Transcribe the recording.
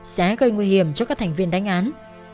sẽ gây nguy hiểm cho các thành viên đánh án